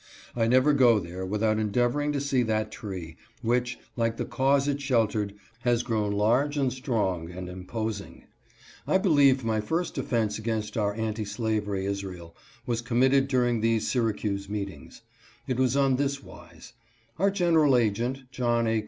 I never go there without en deavoring to see that tree, which, like the cause it sheltered, has grown large and strong and imposing. I believe my first offense against our Anti Slavery Israel was committed during these Syracuse meetings. It was on this wise : Our general agent, John A.